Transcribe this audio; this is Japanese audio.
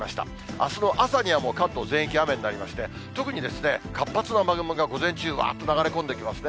あすの朝にはもう関東全域、雨になりまして、特に活発な雨雲が午前中、わーっと流れ込んできますね。